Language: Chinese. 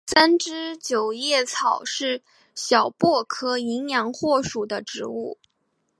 三枝九叶草是小檗科淫羊藿属的植物。